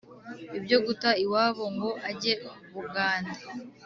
ibyo guta iwabo ngo age bugande